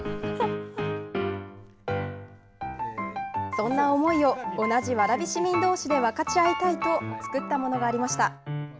そんな思いを、同じ蕨市民どうしで分かち合いたいと作ったものがありました。